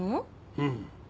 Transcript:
うん。